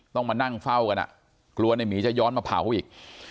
ต้องมานั่งเฝ้ากันอ่ะกลัวในหมีจะย้อนมาเผาอีก